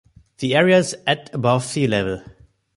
The area is at above sea-level.